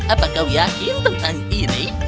apa kau yakin tentang ini